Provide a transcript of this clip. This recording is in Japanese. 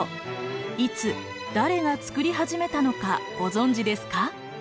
いつ誰がつくり始めたのかご存じですか？